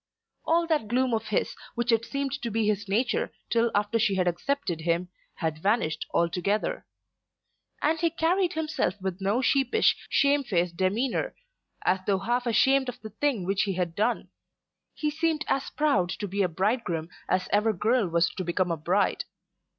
All that gloom of his, which had seemed to be his nature till after she had accepted him, had vanished altogether. And he carried himself with no sheepish, shame faced demeanour as though half ashamed of the thing which he had done. He seemed as proud to be a bridegroom as ever girl was to become a bride.